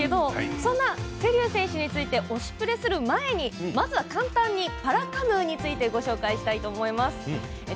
そんな瀬立選手について「推しプレ！」する前にまずは簡単にパラカヌーについてご紹介したいと思います。